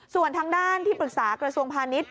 ส่วนทางด้านที่ปรึกษากระทรวงพาณิชย